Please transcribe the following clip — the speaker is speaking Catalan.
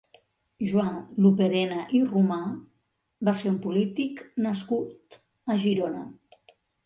Joan Loperena i Romà va ser un polític nascut a Girona.